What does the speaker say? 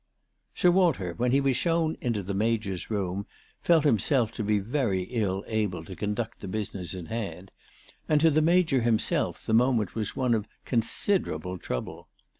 Sir Walter, when he was shown into the Major's room, felt himself to be very ill able to conduct the business in hand, and to the Major himself the moment was one of considerable trouble.